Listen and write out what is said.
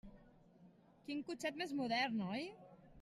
Quin cotxet més modern, oi?